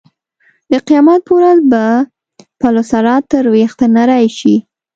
د قیامت په ورځ به پل صراط تر وېښته نرۍ شي.